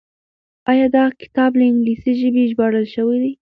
آيا دغه کتاب له انګليسي ژبې ژباړل شوی دی؟